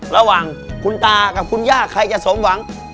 ระหว่างคุณตากับคุณย่าใครจะสมหวัง